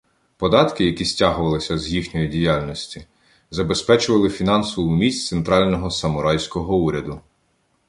Податки, які стягувалися з їхньої діяльності, забезпечували фінансову міць центрального самурайського уряду.